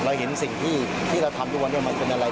เราเห็นสิ่งที่เราทำทุกวันนี้มันเป็นอะไร